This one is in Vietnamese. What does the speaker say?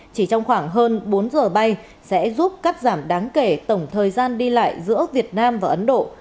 chỉ trong khoảng hơn bốn giờ bay sẽ giúp cắt giảm đáng kể tổng thời gian đi lại giữa việt nam và ấn độ